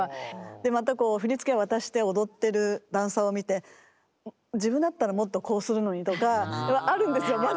またこう振り付けを渡して踊ってるダンサーを見て自分だったらもっとこうするのにとかあるんですよ。